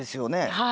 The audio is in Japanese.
はい。